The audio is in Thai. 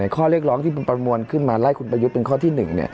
ข้อเรียกร้องที่คุณประมวลขึ้นมาไล่คุณประยุทธ์เป็นข้อที่๑